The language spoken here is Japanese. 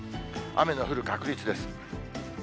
雨の降る確率です。